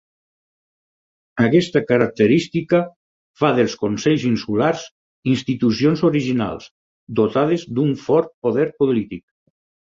Aquesta característica fa dels consells insulars institucions originals, dotades d'un fort poder polític.